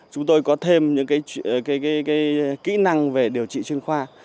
chúng tôi có thêm những kỹ năng về điều trị chuyên khoa